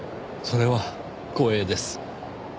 それは光栄です。